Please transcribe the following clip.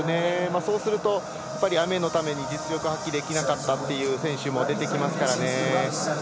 そうすると雨のために実力を発揮できなかった選手も出てきますからね。